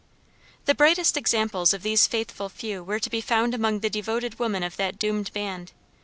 The brightest examples of these faithful few were to be found among the devoted women of that doomed band.